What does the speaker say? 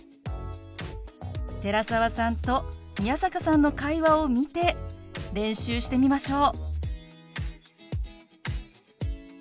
寺澤さんと宮坂さんの会話を見て練習してみましょう。